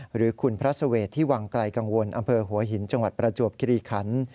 หรือคุณพระสเวทที่วังไกลกังวลอำเภอหัวหินจังหวัดประจวบคิริขัน